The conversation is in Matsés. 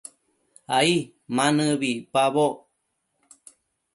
ai ma nëbi icpaboc